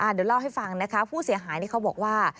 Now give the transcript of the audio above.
เดี๋ยวเล่าให้ฟังนะคะผู้เสียหายนี่เขาบอกว่า